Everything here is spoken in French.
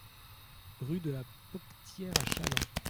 Rue de la Poctière à Challans